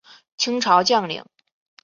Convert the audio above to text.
清朝将领。